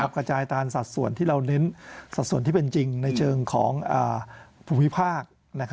กระจายตามสัดส่วนที่เราเน้นสัดส่วนที่เป็นจริงในเชิงของภูมิภาค